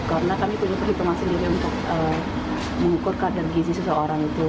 karena kami tidak berhitungan sendiri untuk mengukur kadar gizi seseorang itu